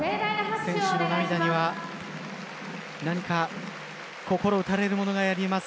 選手の涙には何か心打たれるものがあります。